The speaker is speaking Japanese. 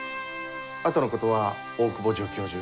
あとのことは大窪助教授